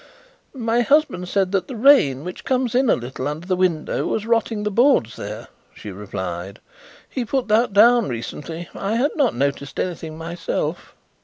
"My husband said that the rain, which comes in a little under the window, was rotting the boards there," she replied. "He put that down recently. I had not noticed anything myself."